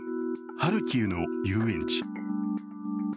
ハルキウの遊園地。